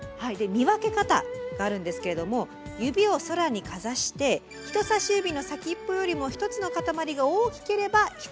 見分け方があるんですけれども指を空にかざして人さし指の先っぽよりも一つのかたまりが大きければひつじ雲。